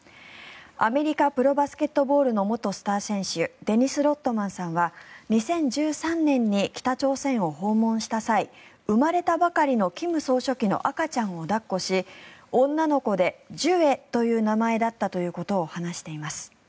アメリカプロバスケットボールの元スター選手デニス・ロッドマンさんは２０１３年に北朝鮮を訪問した際生まれたばかりの金総書記の赤ちゃんを抱っこし女の子でジュエという名前だったということを話しています。